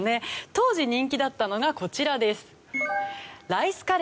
当時人気だったのがこちらです。